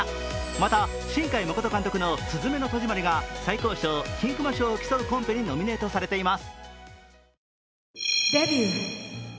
また、新海誠監督の「すずめの戸締まり」が最高賞・金熊賞を競うコンペにノミネートされています。